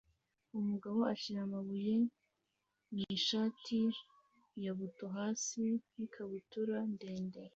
Umugabo ashyira amabuye mu ishati ya buto-hasi n'ikabutura ndende